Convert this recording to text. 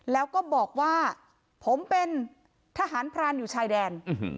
แล้วก็บอกว่าผมเป็นทหารพรานอยู่ชายแดน